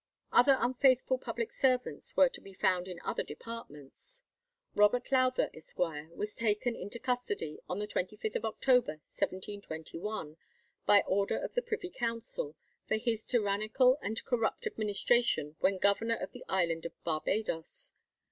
Other unfaithful public servants were to be found in other departments. Robert Lowther, Esq., was taken into custody on the 25th October, 1721, by order of the Privy Council, for his tyrannical and corrupt administration when governor of the Island of Barbadoes.